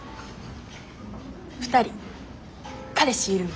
２人彼氏いるん？